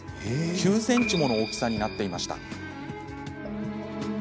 ９ｃｍもの大きさになっていました。